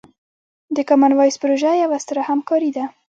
د کامن وایس پروژه یوه ستره همکارۍ ده.